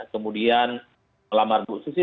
kemudian melamar bu susi